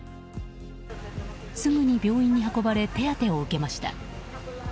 すぐに病院に運ばれ手当てを受けました。